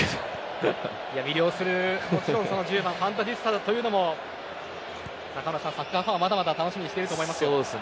魅了する１０番ファンタジスタというのもサッカーファンはまだまだ楽しみにしていると思います。